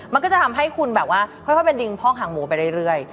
มันก็จะทำให้คุณแบบว่าค่อยไปดึงพอกหางหมูไปเรื่อย